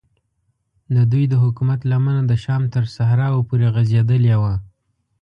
ددوی د حکومت لمنه د شام تر صحراو پورې غځېدلې وه.